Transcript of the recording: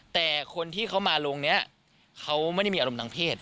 แต่คนที่เขามาโรงนี้เขาไม่ได้มีอารมณ์ทางเพศ